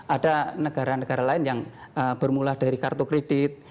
ada negara negara lain yang bermula dari kartu kredit